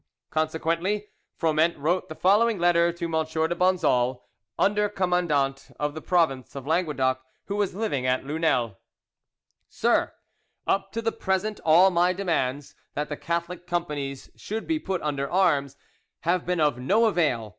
Consequently, Froment wrote the following letter to M. de Bonzols, under commandant of the province of Languedoc, who was living at Lunel: "SIR, Up to the present all my demands, that the Catholic companies should be put under arms, have been of no avail.